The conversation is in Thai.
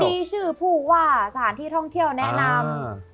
มีชื่อผู้ว่าสถานที่ท่องเที่ยวแนะนำ